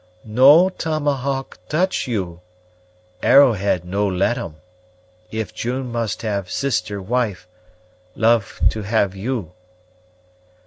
"No tomahawk touch you. Arrowhead no let 'em. If June must have sister wife, love to have you."